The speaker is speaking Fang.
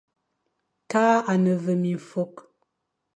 Kale à ne ve mimfokh,